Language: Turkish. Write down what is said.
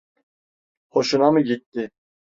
Hoşuna mı gitti?